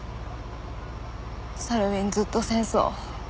サルウィンずっと戦争。